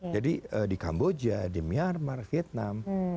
jadi di kamboja di myanmar vietnam